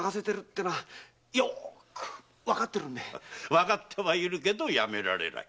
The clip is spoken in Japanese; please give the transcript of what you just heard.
判ってはいるけどやめられない。